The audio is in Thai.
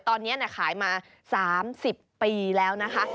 ตอนนี้ขายมา๓๐ปีแล้วนะคะ